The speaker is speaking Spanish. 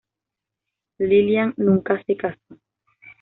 Lillian nunca se casó.